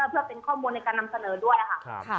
เพื่อเป็นข้อมูลในการนำเสนอด้วยค่ะ